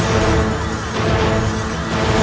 ini mah aneh